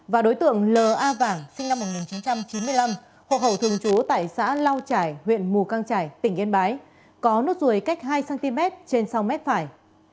và đối tượng l a vảng sinh năm một nghìn chín trăm chín mươi năm hộ hậu thường chú tại xã lau trải huyện mù căng trải tỉnh yên bái có nốt ruồi cách hai cm trên sau mét phải